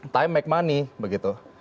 time make money begitu